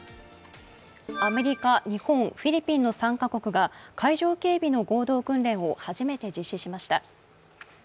アメリカ、日本、フィリピンの３か国が海上警備の合同訓練を初めて実施しました。